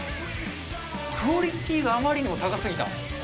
クオリティーがあまりにも高すぎた。